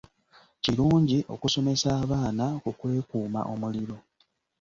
Kirungi okusomesa abaana ku kwekuuma omuliro.